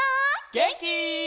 げんき？